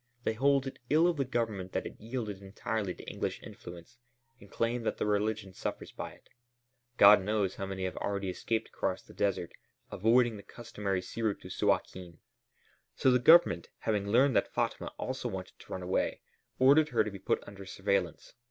They hold it ill of the Government that it yielded entirely to English influence and claim that the religion suffers by it. God knows how many already have escaped across the desert, avoiding the customary sea route to Suâkin. So the Government, having learned that Fatma also wanted to run away, ordered her to be put under surveillance.